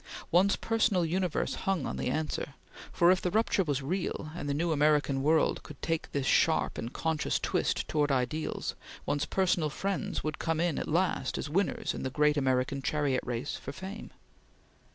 One's personal universe hung on the answer, for, if the rupture was real and the new American world could take this sharp and conscious twist towards ideals, one's personal friends would come in, at last, as winners in the great American chariot race for fame.